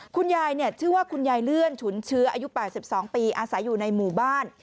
คุณยายชื่อว่าคุณยายเลื่อนฉุนเชื้ออายุ๘๒ปีอาศัยอยู่ในหมู่บ้าน